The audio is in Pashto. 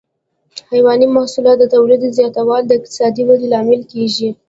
د حيواني محصولاتو د تولید زیاتوالی د اقتصادي ودې لامل کېږي.